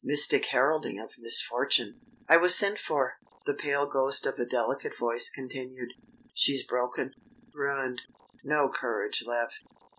Mystic heralding of misfortune! "I was sent for," the pale ghost of a delicate voice continued. "She's broken, ruined; no courage left.